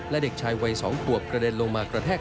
และเด็กชายวัย๒ขวบกระเด็นลงมากระแทก